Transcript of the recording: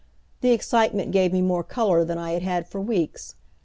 The excitement gave me more color than I had had for weeks.